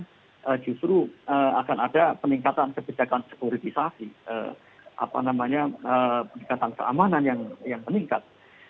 nah justru akan ada peningkatan kebijakan sekuritisasi peningkatan keamanan yang meningkat